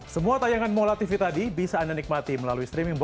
be kids and living satu tayangan dalam satu layanan